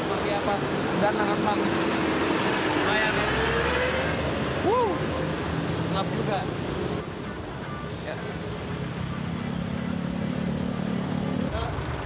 berhenti atas dan langsung saya tuh uh enak juga ya